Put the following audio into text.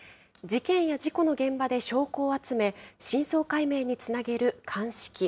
事件や事故の現場で証拠を集め、真相解明につなげる鑑識。